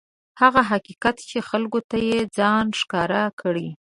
هغه حقیقت چې خلکو ته یې ځان ښکاره کړی.